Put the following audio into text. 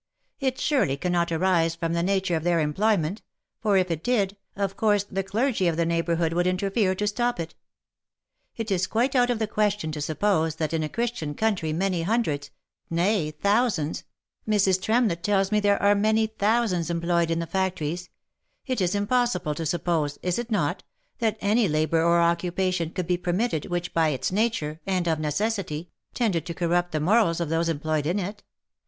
It surely cannot arise from the nature of their employment ; for if it did, of course the clergy of the neighbourhood would interfere to stop it. It is quite out of the question to suppose that in a Christian country many hundreds — nay thousands — Mrs. Tremlett tells me there are many thousands employed in the factories — it is impossible to suppose, is it not, that any labour or occupation could be permitted, which by its nature, and of necessity, tended to corrupt the morals of those employed in it